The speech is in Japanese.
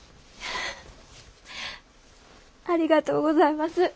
ありがとうございます。